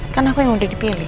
kan apa yang udah dipilih